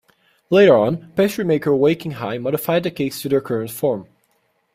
Later on, pastry maker Wei Qing-hai modified the cakes to their current form.